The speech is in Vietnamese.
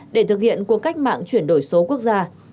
để thực hiện cuộc cách mạng chuyển đổi số quốc gia